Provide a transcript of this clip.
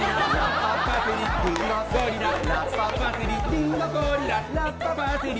りんご、ゴリラ、ラッパ、パセリ。